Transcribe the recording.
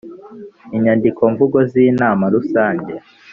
inyandiko mvugo z’inama rusange